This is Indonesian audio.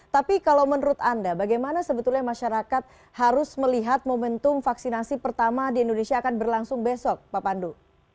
tapi kalau menurut anda bagaimana sebetulnya masyarakat harus melihat momentum vaksinasi pertama di indonesia akan berlangsung besok pak pandu